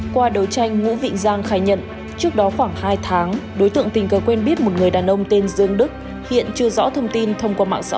qua đấu tranh ngũ vịnh giang khai nhận trước đó khoảng hai tháng đối tượng tình cờ quen biết một người đàn ông tên dương đức hiện chưa rõ thông tin thông qua mạng xã hội